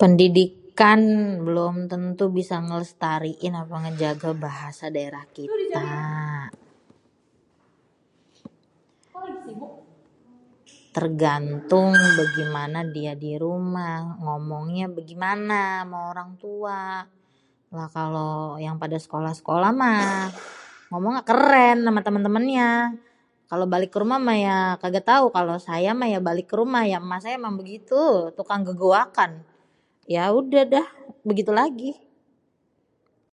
Pendidikan belom tentu bisa ngelestariin ame menjaga bahasa daerah kita, tergantung begimana dia dirumah ngomongnya begimane ama orangtua. lah kalo yang pada sekolah-sekolah mah ngomongnya keren ama temen-temennya. kalau balik kerumah mah ya kaga tau. kalau saya mah balik kerumah ya emak saya ya emang begitu tukang gegoakan yaudah deh begitu lagi.